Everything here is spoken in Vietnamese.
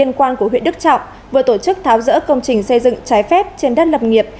liên quan của huyện đức trọng vừa tổ chức tháo rỡ công trình xây dựng trái phép trên đất lâm nghiệp